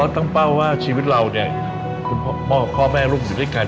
คุณพ่อและพ่อแม่ลึกอยู่ด้วยกัน